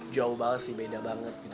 jauh banget sih beda banget gitu